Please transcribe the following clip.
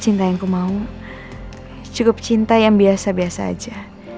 cinta yang kumau cukup cinta yang biasa biasa aja